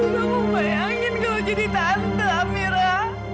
kamu bayangin kalau jadi tante amira